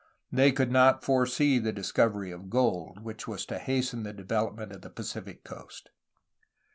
They could not foresee the discovery of gold, which was to hasten the development of the Pacific coast.